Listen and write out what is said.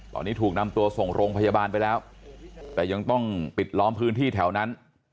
ตอนนี้ถูกนำตัวส่งโรงพยาบาลไปแล้วแต่ยังต้องปิดล้อมพื้นที่แถวนั้น